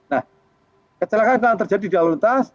nah kecelakaan yang terjadi di lalu lintas